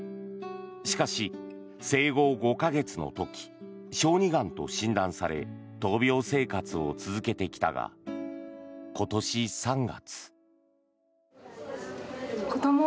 しかし、生後５か月の時小児がんと診断され闘病生活を続けてきたが今年３月。